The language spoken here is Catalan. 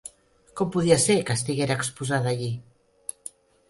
Com podia ser que estiguera exposada allí?